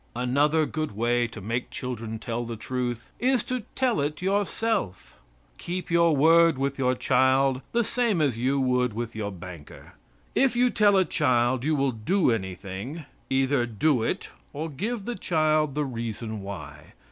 Another good way to make children tell the truth is to tell it yourself. Keep your word with your child the same as you would with your banker. If you tell a child you will do anything, either do it or give the child the reason why.